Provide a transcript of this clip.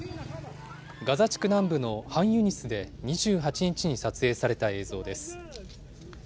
ガザ地区南部のハンユニスで２８日に撮影された映像です。